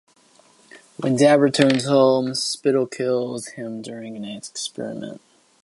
When Dab returns home, Spittle kills him during an experiment.